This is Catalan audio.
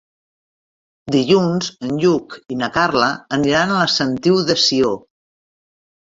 Dilluns en Lluc i na Carla aniran a la Sentiu de Sió.